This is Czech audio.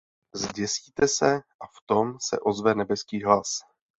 Zděsíte se, a vtom se ozve nebeský hlas.